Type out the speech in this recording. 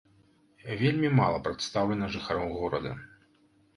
Вельмі мала прадстаўлена жыхароў горада.